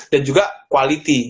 dan juga quality